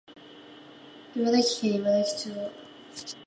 茨城県茨城町